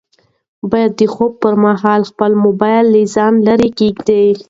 باید د خوب پر مهال خپل موبایل له ځانه لیرې کېږدو.